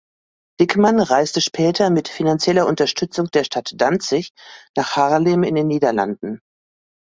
Dickmann reiste später mit finanzieller Unterstützung der Stadt Danzig nach Haarlem in den Niederlanden.